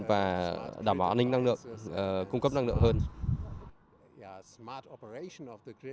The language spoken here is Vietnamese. và đảm bảo an ninh năng lượng cung cấp năng lượng hơn